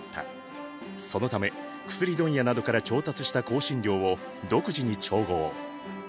そのため薬問屋などから調達した香辛料を独自に調合。